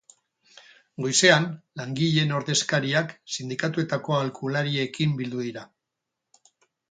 Goizean langileen ordezkariak sindikatuetako aholkulariekin bildu dira.